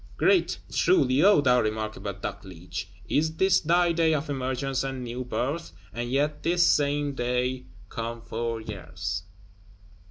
Great, truly, O thou remarkable Dogleech, is this thy day of emergence and new birth; and yet this same day come four years!